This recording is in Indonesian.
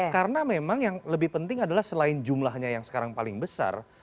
karena memang yang lebih penting adalah selain jumlahnya yang sekarang paling besar